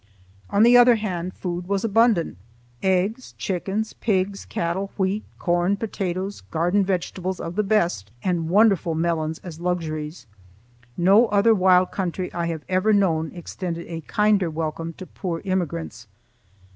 On the other hand, food was abundant,—eggs, chickens, pigs, cattle, wheat, corn, potatoes, garden vegetables of the best, and wonderful melons as luxuries. No other wild country I have ever known extended a kinder welcome to poor immigrants.